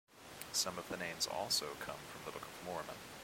Some of the names also come from the Book of Mormon.